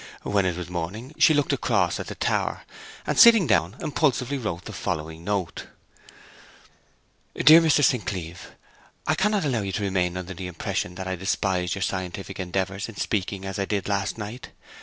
When it was morning she looked across at the tower, and sitting down, impulsively wrote the following note: 'DEAR MR. ST. CLEEVE, I cannot allow you to remain under the impression that I despised your scientific endeavours in speaking as I did last night.